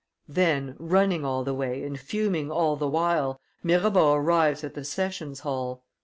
Then, running all the way and fuming all the while, Mirabeau arrives at the sessions hall.